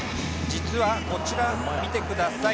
実はこちら見てください。